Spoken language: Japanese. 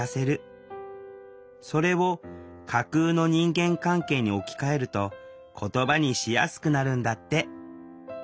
それを架空の人間関係に置き換えると言葉にしやすくなるんだって！